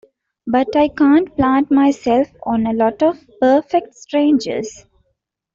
But I can't plant myself on a lot of perfect strangers.